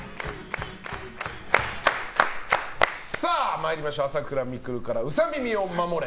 参りましょう朝倉未来からウサ耳を守れ！